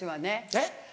えっ？